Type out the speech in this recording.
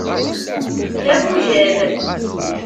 D abujad.